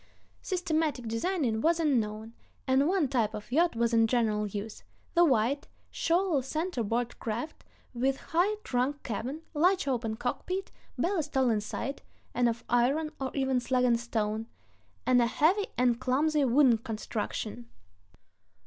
Systematic designing was unknown, and ... one type of yacht was in general use, the wide, shoal center board craft, with high trunk cabin, large open cockpit, ballast all inside (and of iron, or even slag and stone), and a heavy and clumsy wooden construction.